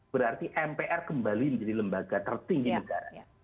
berarti mpr kembali menjadi lembaga tertinggi negara